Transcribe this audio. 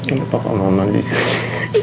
ada papa mama disini